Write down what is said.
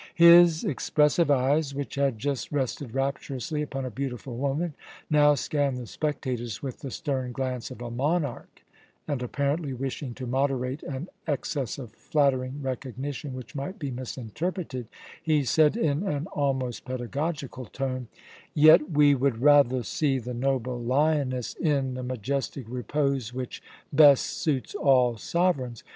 His expressive eyes, which had just rested rapturously upon a beautiful woman, now scanned the spectators with the stern glance of a monarch and, apparently wishing to moderate an excess of flattering recognition which might be misinterpreted, he said in an almost pedagogical tone: "Yet we would rather see the noble lioness in the majestic repose which best suits all sovereigns.